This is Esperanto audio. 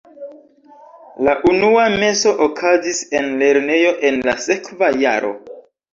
La unua meso okazis en lernejo en la sekva jaro.